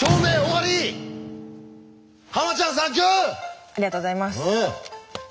ありがとうございます。